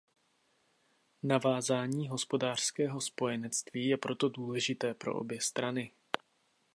Navázání hospodářského spojenectví je proto důležité pro obě strany.